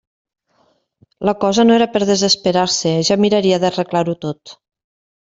La cosa no era per a desesperar-se; ja miraria d'arreglar-ho tot.